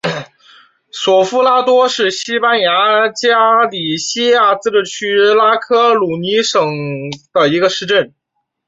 索夫拉多是西班牙加利西亚自治区拉科鲁尼亚省的一个市镇。